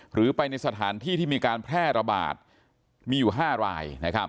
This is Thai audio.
หรือไปในสถานที่ที่มีการแพร่ระบาดมีอยู่๕ราย